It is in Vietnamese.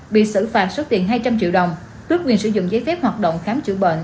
bị xử phạt số tiền hai trăm linh triệu đồng tước quyền sử dụng giấy phép hoạt động khám chữa bệnh